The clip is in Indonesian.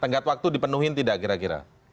tenggat waktu dipenuhi tidak kira kira